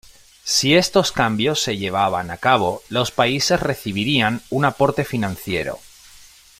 Si estos cambios se llevaban a cabo, los países recibirían un aporte financiero.